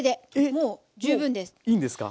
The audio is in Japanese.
もういいんですか？